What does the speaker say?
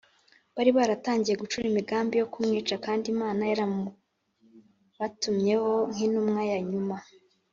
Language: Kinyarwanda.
bari baratangiye gucura imigambi yo kumwica kandi imana yaramubatumyeho nk’intumwa ya nyuma